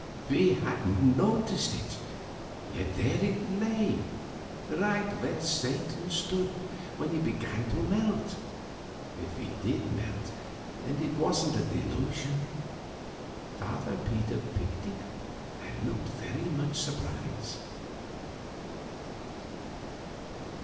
We hadn't noticed it; yet there it lay, right where Satan stood when he began to melt if he did melt and it wasn't a delusion. Father Peter picked it up and looked very much surprised.